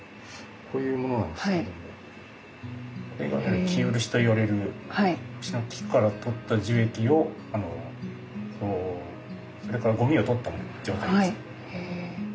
こういうものなんですけどもこれがね生漆といわれる漆の木から取った樹液をそれからゴミを取った状態です。